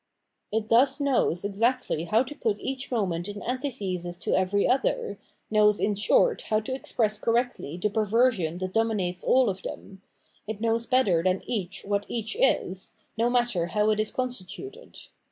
It thus knows exactly how to put each moment in antithesis to every other, knows in short how to express correctly the perversion that dominates aU of them : it knows better than each what each is, no matter how it is constituted.